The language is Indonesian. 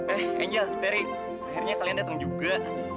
eh anel terry akhirnya kalian datang juga